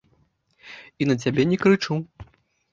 І на цябе не крычу.